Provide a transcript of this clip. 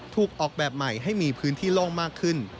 ถูกออกแบบใหม่ให้มีพื้นที่โล่งมากขึ้น